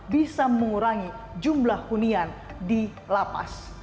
bisa mengurangi jumlah hunian di lapas